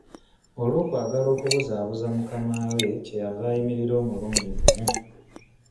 Olw'okwagala okubuzaabuza mukama we kye yava ayimirira omulundi gumu.